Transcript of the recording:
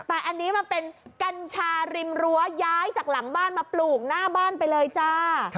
แต่อันนี้มันเป็นกัญชาริมรั้วย้ายจากหลังบ้านมาปลูกหน้าบ้านไปเลยจ้า